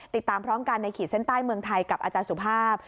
ติดตามพร้อมกันในขีดเส้นใต้เมืองไทยกับอาจารย์สุภาพ